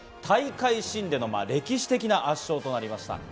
大会新での歴史的な圧勝となりました。